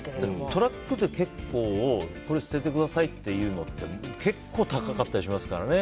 トラックで結構、これ捨ててくださいって言うのって結構高かったりしますからね。